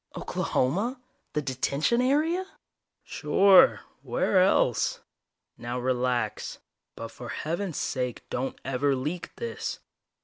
"Oklahoma? The Detention area?" "Sure. Where else? Now relax. But for heaven's sake, don't ever leak this.